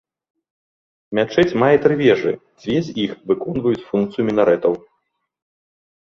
Мячэць мае тры вежы, дзве з іх выконваюць функцыю мінарэтаў.